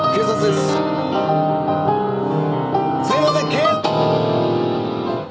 すいません！